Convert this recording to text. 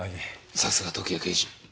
さすが時矢刑事。